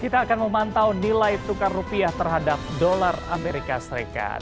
kita akan memantau nilai tukar rupiah terhadap dolar amerika serikat